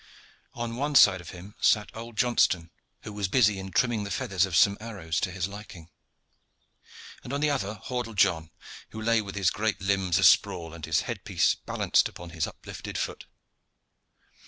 On one side of him sat old Johnston, who was busy in trimming the feathers of some arrows to his liking; and on the other Hordle John, who lay with his great limbs all asprawl, and his headpiece balanced upon his uplifted foot.